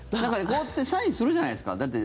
こうやってサインするじゃないですか。